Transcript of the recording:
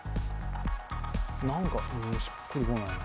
何かしっくりこないな。